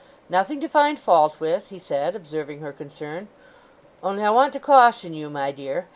"Nothing to find fault with," he said, observing her concern. "Only I want to caution you, my dear.